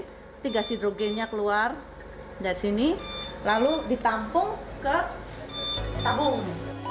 jadi gas hidrogennya keluar dari sini lalu ditampung ke tabung